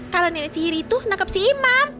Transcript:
kalau nenek sihir itu nangkep si imam